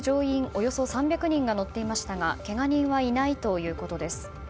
およそ３００人が乗っていましたがけが人はいないということです。